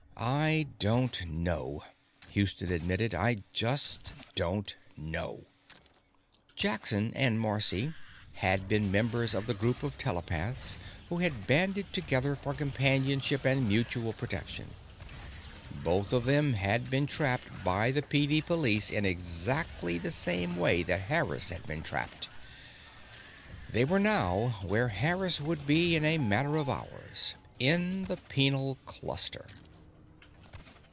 _ I don't know, Houston admitted, I just don't know. Jackson and Marcy had been members of the Group of telepaths who had banded together for companionship and mutual protection. Both of them had been trapped by the PD Police in exactly the same way that Harris had been trapped. They were now where Harris would be in a matter of hours in the Penal Cluster.